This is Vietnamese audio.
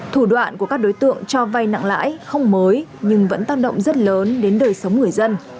thủ đoạn của các đối tượng cho vay nặng lãi không mới nhưng vẫn tác động rất lớn đến đời sống người dân